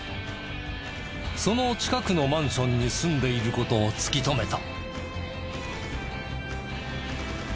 その近くのマンションに住んでいる事を突き止めた。